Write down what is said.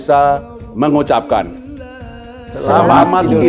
dan menjaga kebaikan pribadi